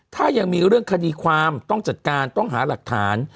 ถ้ายังมีเรื่องคดีความต้องจัดการต้องหาหลักฐาน